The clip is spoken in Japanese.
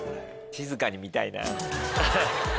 静かに見たいな。